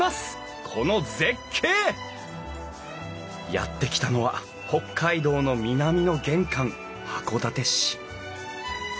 やって来たのは北海道の南の玄関函館市。